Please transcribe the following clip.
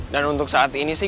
dan untuk saat ini sih